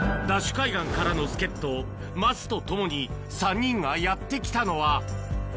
海岸からの助っと、桝とともに３人がやって来たのは。